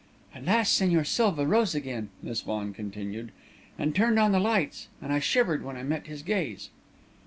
"At last, Señor Silva rose again," Miss Vaughan continued, "and turned on the lights, and I shivered when I met his gaze.